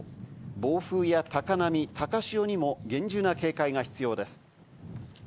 暴風や高波、高潮にも厳重な警戒が必要です。